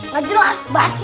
gak jelas basi